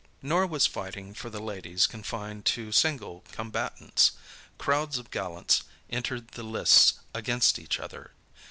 Nor was fighting for the ladies confined to single combatants. Crowds of gallants entered the lists against each other.